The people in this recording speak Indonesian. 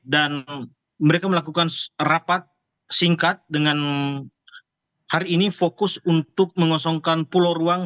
dan mereka melakukan rapat singkat dengan hari ini fokus untuk mengosongkan pulau ruang